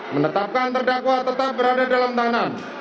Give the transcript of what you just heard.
menetapkan terdakwa tetap berada dalam tahanan